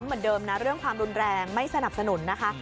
เหมือนเดิมนะเรื่องความรุนแรงไม่สนับสนุนนะคะ